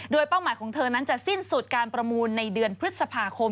โดยเป้าหมายของเธอนั้นจะสิ้นสุดการประมูลในเดือนพฤษภาคม